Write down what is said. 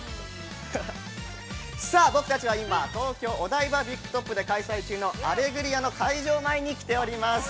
◆さあ僕たちは今、東京お台場ビッグトップで開催中のアレグリアの会場に来ております。